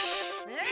えっ？